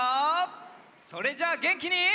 それじゃげんきに。